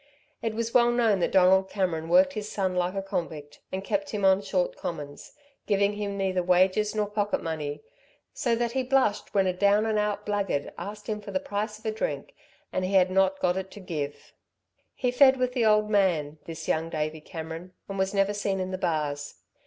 It was well known that Donald Cameron worked his son like a convict, and kept him on short commons, giving him neither wages nor pocket money, so that he blushed when a down and out blackguard asked him for the price of drink and he had not got it to give. He fed with the old man, this young Davey Cameron, and was never seen in the bars.